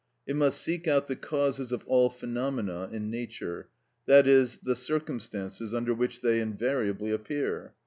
It must seek out the causes of all phenomena in nature, i.e., the circumstances under which they invariably appear.